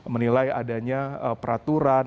menilai adanya peraturan